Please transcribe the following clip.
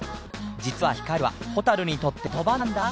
じつはひかりはホタルにとってのことばなんだ。